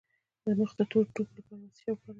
د مخ د تور ټکو لپاره باید څه شی وکاروم؟